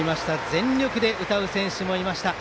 全力で歌う選手もいました。